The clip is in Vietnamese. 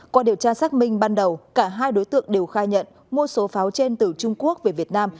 qua điều tra xác minh ban đầu cả hai đối tượng đều khai nhận mua số pháo trên từ trung quốc về việt nam